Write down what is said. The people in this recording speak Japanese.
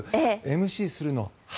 ＭＣするの「は」